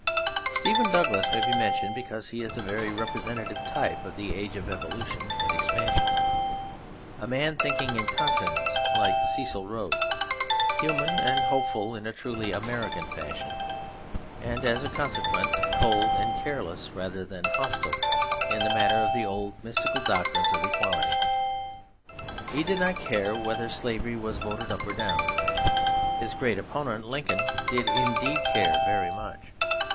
Stephen Douglas may be mentioned because he is a very representative type of the age of evolution and expansion; a man thinking in continents, like Cecil Rhodes, human and hopeful in a truly American fashion, and as a consequence cold and careless rather than hostile in the matter of the old mystical doctrines of equality. He 'did not care whether slavery was voted up or voted down.' His great opponent Lincoln did indeed care very much.